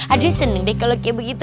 aduh seneng deh kalau kayak begitu